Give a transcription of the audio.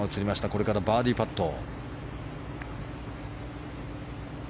これからバーディーパット。